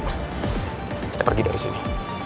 kita pergi dari sini